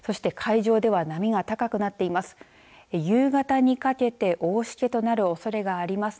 そして、海上では波が高くなっています。